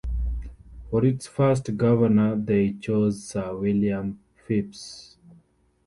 For its first governor they chose Sir William Phips.